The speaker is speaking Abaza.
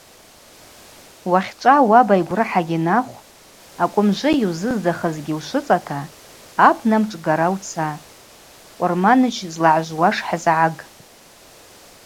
Уахьчӏва уаба йгврахӏагьи нахв, акӏвымжвы йузыздзахызгьи ушвыцӏата абна мшӏгара уца, къвырманыжь злагӏжвуаш хӏызгӏаг.